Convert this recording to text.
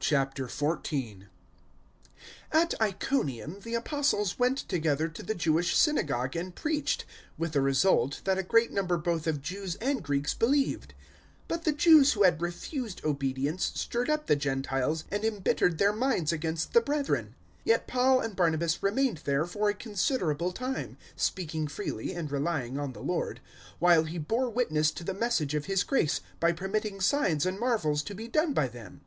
014:001 At Iconium the Apostles went together to the Jewish synagogue and preached, with the result that a great number both of Jews and Greeks believed. 014:002 But the Jews who had refused obedience stirred up the Gentiles and embittered their minds against the brethren. 014:003 Yet Paul and Barnabas remained there for a considerable time, speaking freely and relying on the Lord, while He bore witness to the Message of His grace by permitting signs and marvels to be done by them.